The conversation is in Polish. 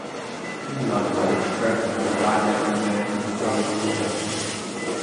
Finlandia, Szwecja, Dania i Niemcy zostały pominięte